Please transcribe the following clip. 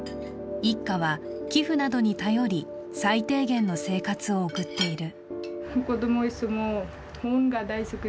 一家は寄付などに頼り最低限の生活を送っている。